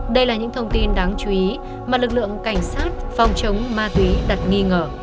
đây là những thông tin đáng chú ý mà lực lượng cảnh sát phòng chống ma túy đặt nghi ngờ